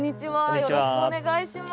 よろしくお願いします。